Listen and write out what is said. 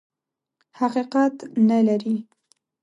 حقیقت نه لري.